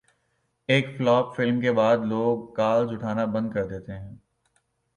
ایک flop film کے بعد لوگ کالز اٹھانا بند کردیتے ہیں